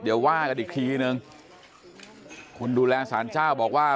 เดี๋ยวว่ากันอีกทีนึงคุณดูแลสารเจ้าบอกว่า